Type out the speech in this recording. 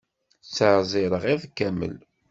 Ttɛeẓẓireɣ iḍ kamel.